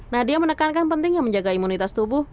nadia menekankan pentingnya menjaga imunitas tubuh